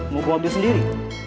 mau gue abduh sendiri